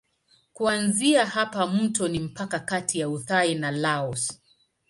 Kuanzia hapa mto ni mpaka kati ya Uthai na Laos.